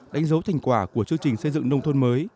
đánh dấu thành quả của chương trình xây dựng nông thôn mới